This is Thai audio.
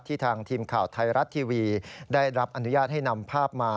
ทางทีมข่าวไทยรัฐทีวีได้รับอนุญาตให้นำภาพมา